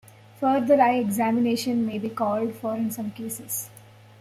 Further eye examination may be called for in some cases.